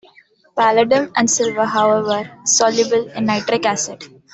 Palladium and silver are, however, soluble in nitric acid.